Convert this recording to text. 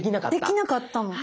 できなかったの。